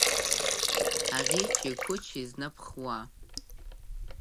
Аӷьычи-қәычи знаԥхуа.